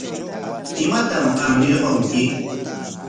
¿Imatam qam ñirqunki?